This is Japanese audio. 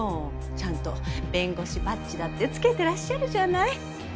ちゃんと弁護士バッジだってつけてらっしゃるじゃない。